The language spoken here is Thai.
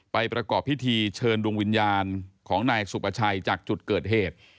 ประกอบพิธีเชิญดวงวิญญาณของนายสุประชัยจากจุดเกิดเหตุ